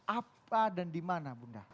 apa dan dimana bunda